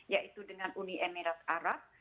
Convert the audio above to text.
yaitu dengan uni emirat arab